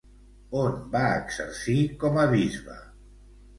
On va exercir com a bisbe?